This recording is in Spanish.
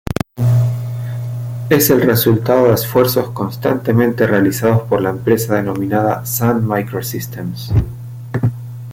Es el resultado de esfuerzos constantemente realizados por la empresa denominada Sun Microsystems.